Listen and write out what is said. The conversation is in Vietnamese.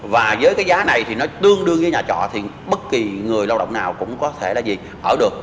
và với cái giá này thì nó tương đương với nhà trọ thì bất kỳ người lao động nào cũng có thể là gì ở được